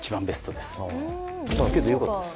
けどよかったです。